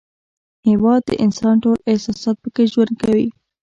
هېواد د انسان ټول احساسات پکې ژوند کوي.